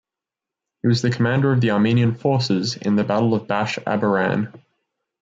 He was the commander of the Armenian forces in the Battle of Bash Abaran.